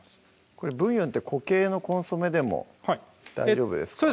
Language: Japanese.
これブイヨンって固形のコンソメでも大丈夫ですか？